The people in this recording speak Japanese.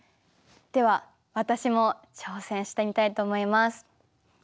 では私も挑戦してみたいと思います。